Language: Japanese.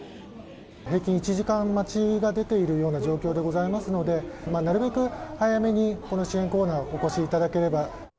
平均１時間待ちが出ているような状況でございますので、なるべく早めに、この支援コーナーにお越しいただければ。